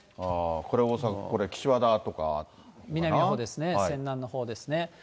これ、大阪、これ、南のほうですね、泉南のほうですね。